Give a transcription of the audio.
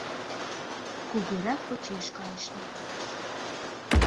Кугурак почеш кайышна.